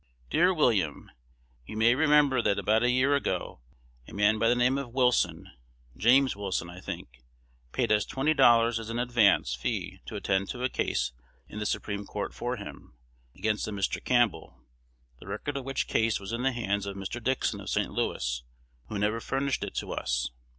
Dear William, You may remember that about a year ago a man by the name of Wilson (James Wilson, I think) paid us twenty dollars as an advance fee to attend to a case in the Supreme Court for him, against a Mr. Campbell, the record of which case was in the hands of Mr. Dixon of St. Louis, who never furnished it to us.